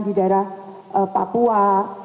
di daerah papua